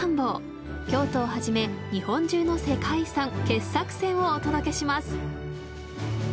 京都をはじめ日本中の世界遺産傑作選をお届けします。